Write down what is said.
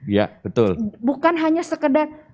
ya betul bukan hanya sekedar